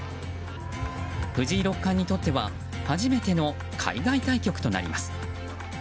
藤井六冠にとっては初めての海外対局となります。